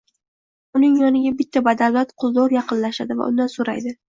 Uning yoniga bitta badavlat quldor yaqinlashadi va undan soʻraydi: